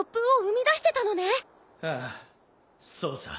ああそうさ。